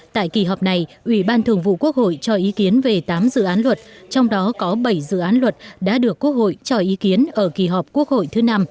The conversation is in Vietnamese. tại kỳ họp này ủy ban thường vụ quốc hội cho ý kiến về tám dự án luật trong đó có bảy dự án luật đã được quốc hội cho ý kiến ở kỳ họp quốc hội thứ năm